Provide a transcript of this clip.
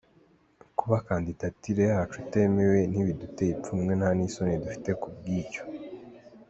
Kuba kandidatire yacu itemewe, ntibiduteye ipfunwe nta n’isoni dufite ku bw’icyo.